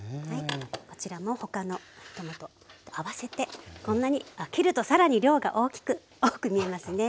こちらも他のトマトと合わせてこんなにあっ切ると更に量が多く見えますね。